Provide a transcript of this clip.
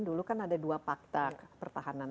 dulu kan ada dua fakta pertahanan